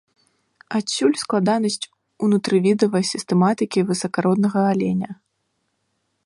Адсюль складанасць унутрывідавай сістэматыкі высакароднага аленя.